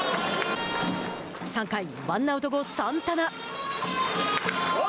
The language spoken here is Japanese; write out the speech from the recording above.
３回、ワンアウト後サンタナ。